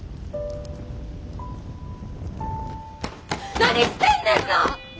何してんねんな！